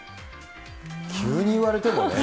急に言われてもね。